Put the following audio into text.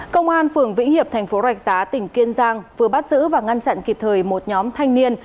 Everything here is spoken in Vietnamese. công an phường vĩnh hiệp thành phố rạch giá tỉnh kiên giang vừa bắt giữ và ngăn chặn kịp thời một nhóm thanh niên